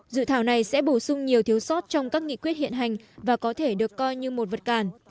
dự thảo này sẽ bổ sung nhiều thiếu sót trong các nghị quyết hiện hành và có thể được coi như một vật cản